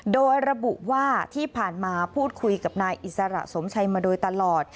โดยระบุว่าที่ผ่านมาพูดคุยกับนายอิสระสมชัยมาโดยตลอด